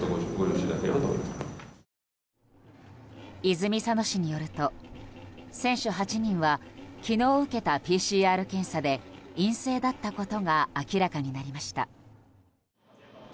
泉佐野市によると、選手８人は昨日受けたＰＣＲ検査で陰性だったことが明らかになりました。